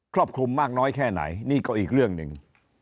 รอบคลุมมากน้อยแค่ไหนนี่ก็อีกเรื่องหนึ่ง